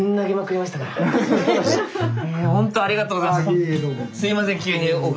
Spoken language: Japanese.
ありがとうございます。